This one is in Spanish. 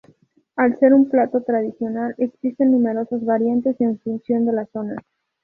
Al ser un plato tradicional, existen numerosas variantes en función de la zona.